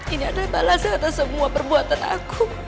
ini adalah balasan atas semua perbuatan aku